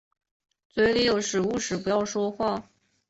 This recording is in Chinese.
嘴里有食物时不要说话。